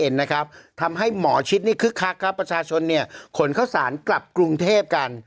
ทำให้หมอชิดนี่คึกคักครับประชาชนเนี่ยขนข้าวสารกลับกรุงเทพกัน